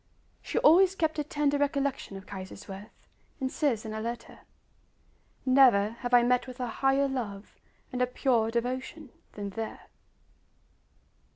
She always kept a tender recollection of Kaiserswerth, and says in a letter: "Never have I met with a higher love and a purer devotion than there."